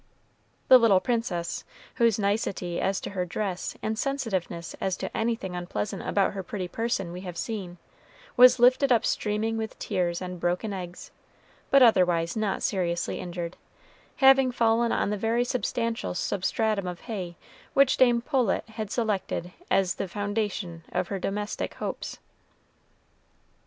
The little princess, whose nicety as to her dress and sensitiveness as to anything unpleasant about her pretty person we have seen, was lifted up streaming with tears and broken eggs, but otherwise not seriously injured, having fallen on the very substantial substratum of hay which Dame Poulet had selected as the foundation of her domestic hopes.